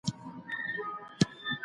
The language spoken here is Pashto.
تمدنونه د دین او دولت له امله جوړیږي.